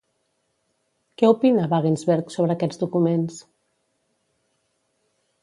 Què opina Wagensberg sobre aquests documents?